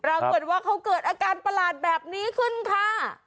ปรากฏว่าเขาเกิดอาการประหลาดแบบนี้ขึ้นค่ะ